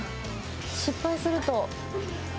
失敗すると。